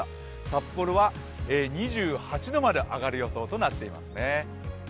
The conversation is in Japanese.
札幌は２８度まで上がる予想となっていますね。